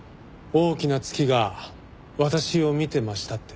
「大きな月が私を見てました」